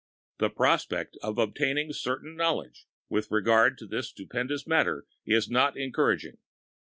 The prospect of obtaining certain knowledge with regard to this stupendous matter is not encouraging.